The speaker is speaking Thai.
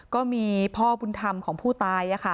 ก็มีพ่อบุญธรรมของผู้ตาย